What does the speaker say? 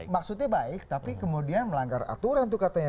maksudnya baik tapi kemudian melanggar aturan tuh katanya